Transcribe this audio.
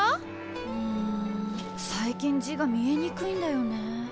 ん最近字が見えにくいんだよね。